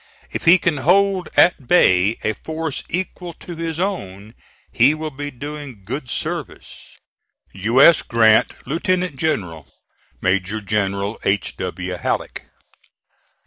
If he can hold at bay a force equal to his own, he will be doing good service. "U. S. GRANT, Lieutenant General. "MAJOR GENERAL H. W. HALLECK."